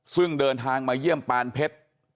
ซึ่งเดินทางมาเยี่ยมปานเพชร